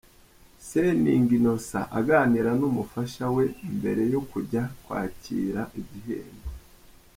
Seninga Innocent aganira n'umufasha we mbere yo kujya kwakira igihembo.